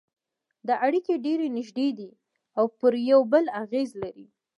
دا اړیکې ډېرې نږدې دي او پر یو بل اغېز لري